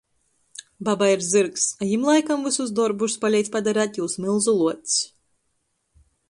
Babai ir zyrgs, a jim laikam vysus dorbus paleidz padarēt jūs mylzu luocs!